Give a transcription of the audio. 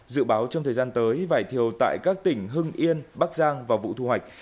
dự báo trong thời gian tới vải thiều tại các tỉnh hưng yên bắc giang vào vụ thu hoạch